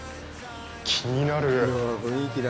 気になる。